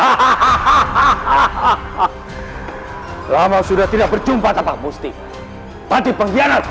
ha ha ha ha ha ha ha lama sudah tidak berjumpa tak pasti tadi pengkhianat